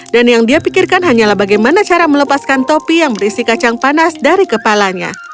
dan yang dia pikirkan hanyalah bagaimana cara melepaskan topi yang berisi kacang panas dari kepalanya